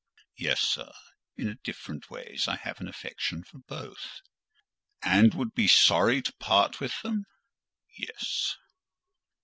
"Yes, sir; in different ways, I have an affection for both." "And would be sorry to part with them?" "Yes."